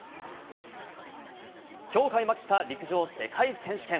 きょう開幕した陸上世界選手権。